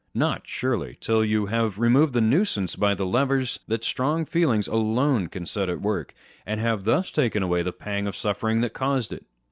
Not, surely, till you have removed the nuisance by the levers that strong feeling alone can set at work, and have thus taken away the pang of suffering that caused it